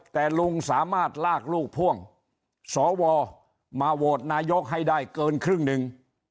แต่ลุงสามารถลากลูกพ่วงสวมาโหวตนายกให้ได้เกินครึ่งหนึ่ง